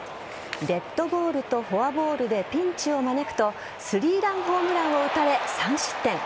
デッドボールとフォアボールでピンチを招くと３ランホームランを打たれ３失点。